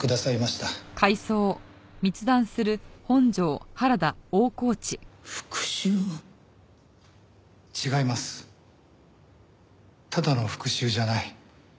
ただの復讐じゃない。